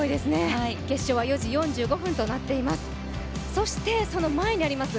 決勝は４時４５分となっています、そしてその前にあります